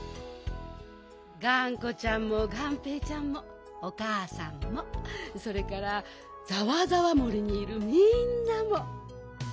がんこちゃんもがんぺーちゃんもおかあさんもそれからざわざわ森にいるみんなも。